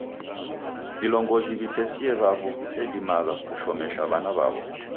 Vilongozi w'itesie w'avu w'isedimagha kushomesha w'ana w'aw'o